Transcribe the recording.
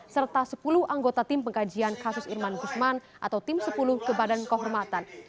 serta sepuluh anggota tim pengkajian kasus irman gusman atau tim sepuluh ke badan kehormatan